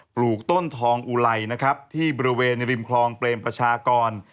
ปลูกต้นทองอุไลนะครับที่บริเวณริมคลองเปรมประชากร